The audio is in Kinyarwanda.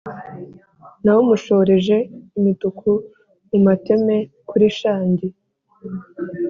nawushoreje imituku mu mateme kuli shangi,